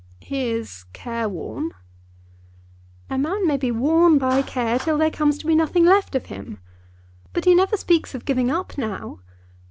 "He is careworn." "A man may be worn by care till there comes to be nothing left of him. But he never speaks of giving up now.